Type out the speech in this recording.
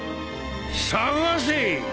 探せ。